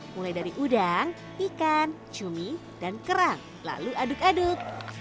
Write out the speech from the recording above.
mulai dari udang ikan cumi dan kerang lalu aduk aduk